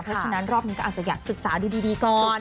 เพราะฉะนั้นรอบนี้ก็อาจจะอยากศึกษาดูดีก่อน